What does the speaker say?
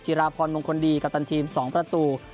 ราพรมงคลดีกัปตันทีม๒ประตู